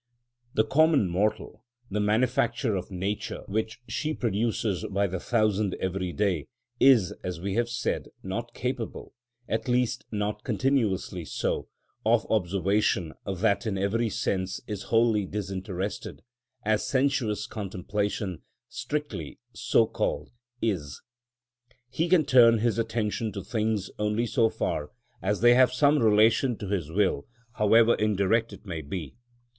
The common mortal, that manufacture of Nature which she produces by the thousand every day, is, as we have said, not capable, at least not continuously so, of observation that in every sense is wholly disinterested, as sensuous contemplation, strictly so called, is. He can turn his attention to things only so far as they have some relation to his will, however indirect it may be.